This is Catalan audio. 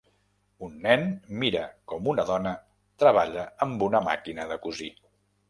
Un nen mira com una dona treballa amb una màquina de cosir.